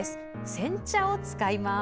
煎茶を使います。